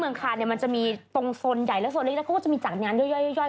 มันจะมีตรงส่วนใหญ่และส่วนเล็กแล้วก็จะมีจากงานย่อย